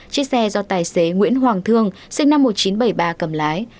chiếc xe do tài xế nguyễn hoàng thương sinh năm một nghìn chín trăm bảy mươi ba cầm lái